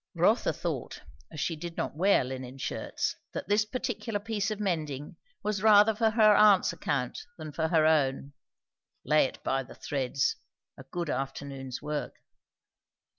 Rotha thought, as she did not wear linen shirts, that this particular piece of mending was rather for her aunt's account than for her own. Lay it by the threads! a good afternoon's work.